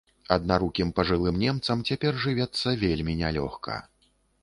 Аднарукім пажылым немцам цяпер жывецца вельмі нялёгка.